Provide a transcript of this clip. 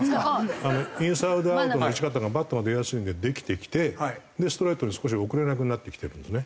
インサイドアウトの打ち方がバットが出やすいんでできてきてストレートに少し遅れなくなってきてるんですね。